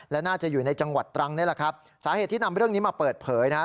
และน่าจะอยู่ในจังหวัดตรังนี่แหละครับสาเหตุที่นำเรื่องนี้มาเปิดเผยนะฮะ